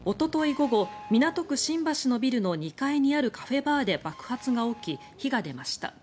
午後港区新橋のビルの２階にあるカフェバーで爆発が起き火が出ました。